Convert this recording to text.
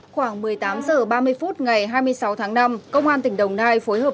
khoảng một mươi tám h ba mươi phút ngày hai mươi sáu tháng năm công an tỉnh đồng nai phối hợp